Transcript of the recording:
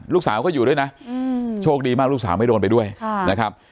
ลูกสาวก็อยู่ด้วยนะโชคดีมากลูกสาวไม่โดนไปด้วยนะครับ